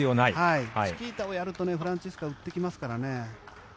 チキータをやるとフランツィスカは打ってきますからね。